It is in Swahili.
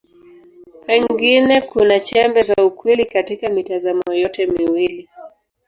Pengine kuna chembe za ukweli katika mitazamo yote miwili.